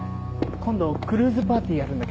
今度クルーズパーティーやるんだけど。